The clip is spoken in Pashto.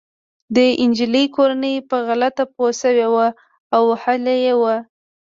د انجلۍ کورنۍ په غلطه پوه شوې وه او وهلې يې وه